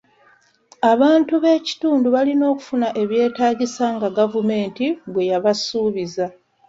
Abantu b'ekitundu balina okufuna ebyetaagisa nga gavumenti bwe yabasuubiza.